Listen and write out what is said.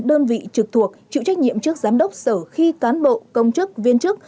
đơn vị trực thuộc chịu trách nhiệm trước giám đốc sở khi cán bộ công chức viên chức